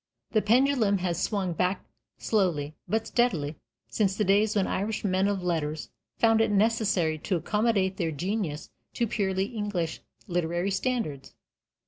The pendulum has swung back slowly but steadily since the days when Irish men of letters found it necessary to accommodate their genius to purely English literary standards.